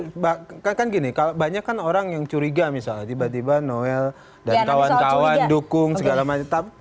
nah kan gini banyak kan orang yang curiga misalnya tiba tiba noel dan kawan kawan dukung segala macam